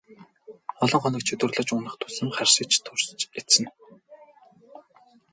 Олон хоног чөдөрлөж унах тусам харшиж турж эцнэ.